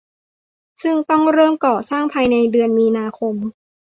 ซึ่งต้องเริ่มก่อสร้างภายในเดือนมีนาคม